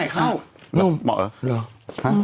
เผื่อไหมเข้า